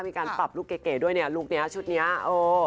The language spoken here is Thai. มีการปรับลูกเก๋ด้วยเนี่ยลูกเนี้ยชุดนี้เออ